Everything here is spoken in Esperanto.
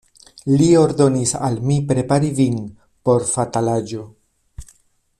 Li ordonis al mi prepari vin por fatalaĵo.